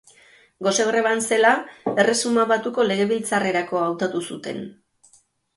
Gose greban zela, Erresuma Batuko Legebiltzarrerako hautatu zuten.